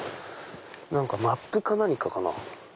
マップか何かかな？